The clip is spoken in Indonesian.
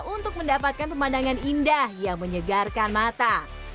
untuk mendapatkan pemandangan indah yang menyegarkan mata